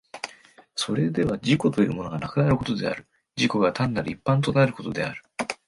それでは自己というものがなくなることである、自己が単なる一般となることである。